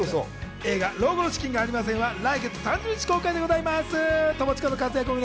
映画『老後の資金がありません！』は来月３０日公開でございます。